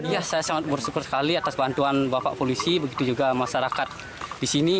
ya saya sangat bersyukur sekali atas bantuan bapak polisi begitu juga masyarakat di sini